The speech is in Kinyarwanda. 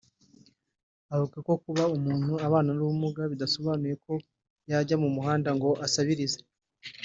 avuga ko kuba umuntu abana n’ubumuga bidasobanuye ko yajya ku muhanda ngo asabirize